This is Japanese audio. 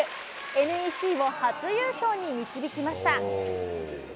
ＮＥＣを初優勝に導きました。